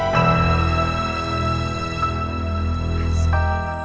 di rumah aja